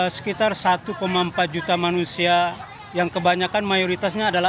sekitar satu empat juta manusia yang kebanyakan mayoritasnya adalah